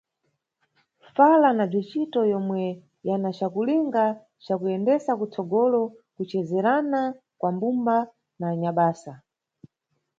Fala na Bzicito yomwe yana cakulinga ca kuyendesa kutsogolo kucezerana kwa mbumba na anyabasa.